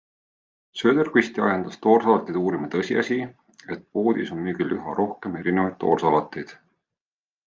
Söderqvisti ajendas toorsalateid uurima tõsiasi, et poodides on müügil üha rohkem erinevaid toorsalateid.